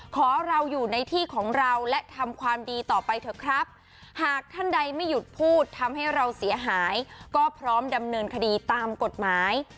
ขอเราอยู่ในที่ของเราและทำความดีต่อไปเถอะครับหากท่านใดไม่หยุดพูดทำให้เราเสียหายก็พร้อมดำเนินคดีตามกฎหมาย